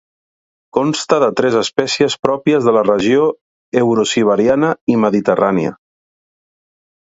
Consta de tres espècies pròpies de la regió eurosiberiana i mediterrània.